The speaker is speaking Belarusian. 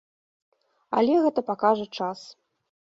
Але гэта пакажа час.